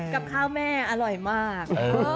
กับข้าวแม่อร่อยมาก